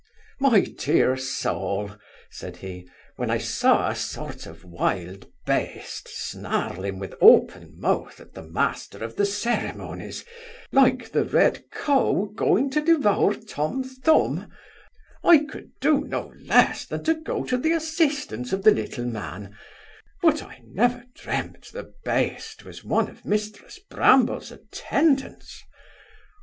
'My dear soul (said he) when I saw a sort of a wild baist, snarling with open mouth at the Master of the Ceremonies, like the red cow going to devour Tom Thumb, I could do no less than go to the assistance of the little man; but I never dreamt the baist was one of Mrs Bramble's attendants O!